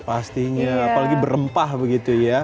pastinya apalagi berempah begitu ya